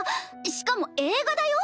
しかも映画だよ。